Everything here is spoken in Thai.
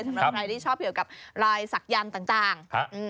สำหรับใครที่ชอบเกี่ยวกับรายศักยันต์ต่าง